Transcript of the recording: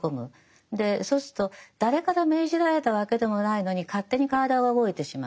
そうすると誰から命じられたわけでもないのに勝手に体が動いてしまう。